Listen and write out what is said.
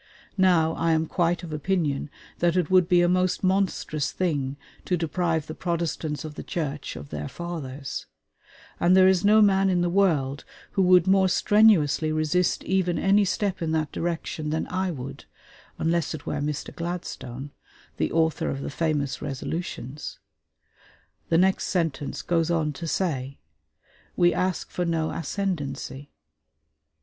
Now, I am quite of opinion that it would be a most monstrous thing to deprive the Protestants of the Church of their fathers; and there is no man in the world who would more strenuously resist even any step in that direction than I would, unless it were Mr. Gladstone, the author of the famous resolutions. The next sentence goes on to say, "We ask for no ascendancy."